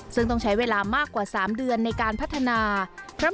ซึ่งต้องใช้เวลามากกว่า๓เดือนในการพัฒนา